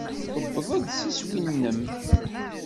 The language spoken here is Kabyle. Tuwḍeḍ s iswi-nnem.